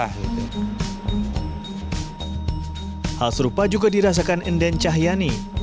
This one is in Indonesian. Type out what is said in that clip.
hal serupa juga dirasakan endang cahyani